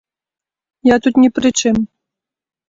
Я тут ні пры чым.